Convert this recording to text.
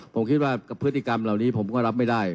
ผมคิดว่าพฤติกรรมเหล่านี้ผมก็รับไม่ได้